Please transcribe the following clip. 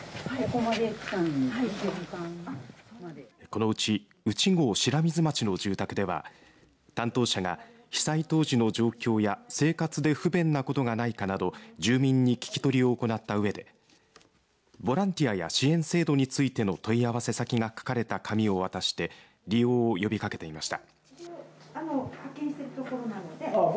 このうち内郷白水町の住宅では担当者が被災当時の状況や生活で不便なことがないかなど住民に聞き取りを行ったうえでボランティアや支援制度についての問い合わせ先が書かれた紙を渡して利用を呼びかけていました。